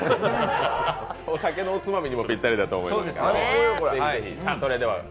お酒のおつまみにもぴったりだと思いますから。